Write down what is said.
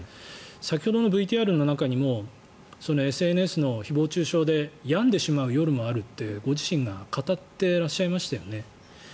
先ほどのＶＴＲの中にもＳＮＳの誹謗・中傷で病んでしまう夜もあるってご自身が語っていらっしゃいましたよね。